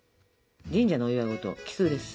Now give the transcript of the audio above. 神社のお祝い事奇数です。